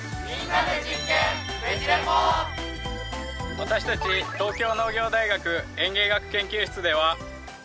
私たち東京農業大学園芸学研究室では。